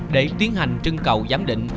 để tiến hành trưng cầu giám định